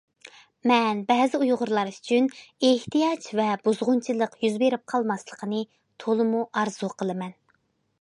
مەن بەزى ئۇيغۇرلار ئۈچۈن« ئېھتىياج ۋە بۇزغۇنچىلىق» يۈز بېرىپ قالماسلىقىنى تولىمۇ ئارزۇ قىلىمەن.